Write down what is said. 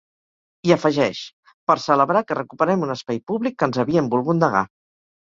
I afegeix: Per celebrar que recuperem un espai públic que ens havien volgut negar.